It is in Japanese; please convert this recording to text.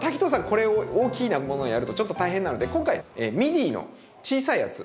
これ大きなものをやるとちょっと大変なので今回ミディの小さいやつ。